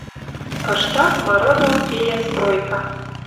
Кыштак мыры дон кеен стройка